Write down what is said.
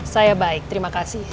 saya baik terima kasih